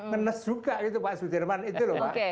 menes juga gitu pak sudirman itu loh pak